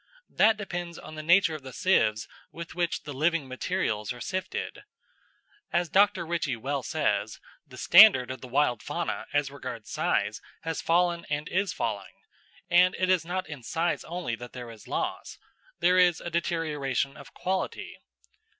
That depends on the nature of the sieves with which the living materials are sifted. As Dr. Ritchie well says, the standard of the wild fauna as regards size has fallen and is falling, and it is not in size only that there is loss, there is a deterioration of quality.